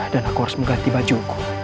dan aku harus mengganti bajuku